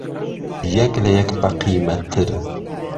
یەک له یەک بە قیمتتر